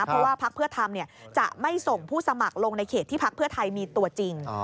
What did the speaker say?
เพราะว่าพักเพื่อทำจะไม่ส่งผู้สมัครลงในเขตที่พักเพื่อไทยมีตัวจริง